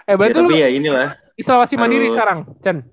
eh berarti lu isolasi mandiri sekarang cen